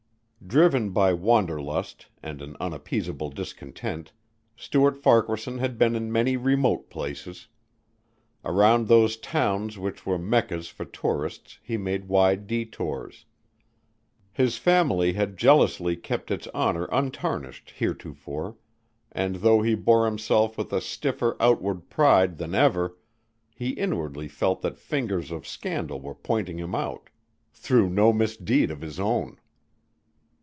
Driven by wanderlust and an unappeasable discontent, Stuart Farquaharson had been in many remote places. Around those towns which were Meccas for tourists he made wide detours. His family had jealously kept its honor untarnished heretofore and though he bore himself with a stiffer outward pride than ever, he inwardly felt that fingers of scandal were pointing him out, through no misdeed of his own.